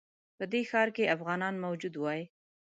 په دې ښار کې افغانان موجود وای.